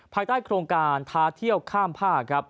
ภายใต้โครงการท้าเที่ยวข้ามภาคครับ